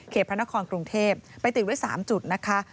พระนครกรุงเทพไปติดไว้๓จุดนะคะ